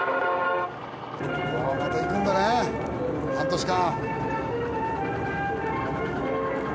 また行くんだね半年間。